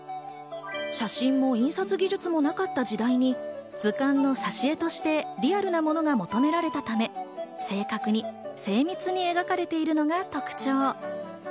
写真も印刷技術もなかった時代に、図鑑の挿絵としてリアルなものが求められたため、正確に精密に描かれているのが特徴。